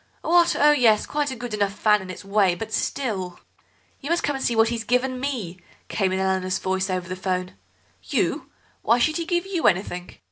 What? Oh yes, quite a good enough fan in its way, but still ..." "You must come and see what he's given me," came in Eleanor's voice over the 'phone. "You! Why should he give you anything?"